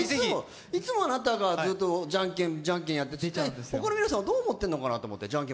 いつもあなたとじゃんけんやって、ほかの皆さんはどう思ってるのかな。